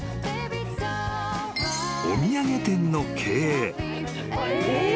［お土産店の経営］